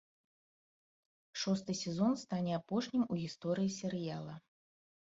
Шосты сезон стане апошнім у гісторыі серыяла.